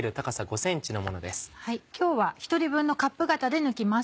今日は１人分のカップ型で抜きます。